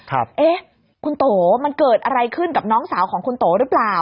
เอ๊ะคุณโตมันเกิดอะไรขึ้นกับน้องสาวของคุณโตหรือเปล่า